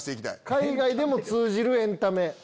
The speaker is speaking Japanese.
海外でも通じるエンタメ。